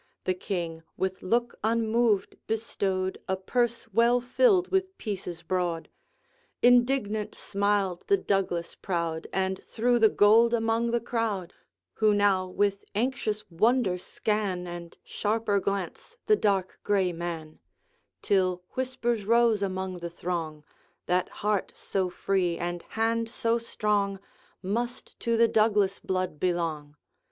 The King, with look unmoved, bestowed A purse well filled with pieces broad. Indignant smiled the Douglas proud, And threw the gold among the crowd, Who now with anxious wonder scan, And sharper glance, the dark gray man; Till whispers rose among the throng, That heart so free, and hand so strong, Must to the Douglas blood belong.